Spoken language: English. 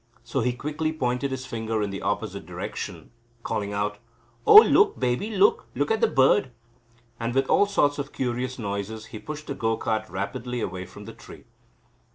So he quickly pointed his finger in the opposite direction, calling out: "Oh, look, baby, look! Look at the bird." And with all sorts of curious noises he pushed the go cart rapidly away from the tree.